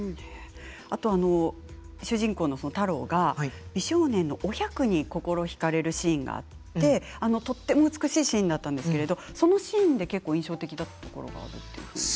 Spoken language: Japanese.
主人公の太郎が美少年のお百に心ひかれるシーンがあってとても美しいシーンだったんですけれど、そのシーンで結構印象的だったところがあると。